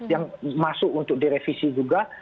yang masuk untuk direvisi juga